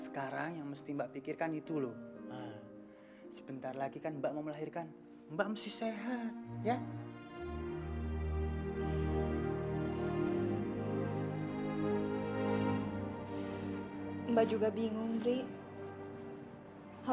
kalau bapaknya masih gak berubah juga